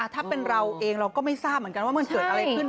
ถ้าเป็นเราเองเราก็ไม่ทราบเหมือนกันว่ามันเกิดอะไรขึ้น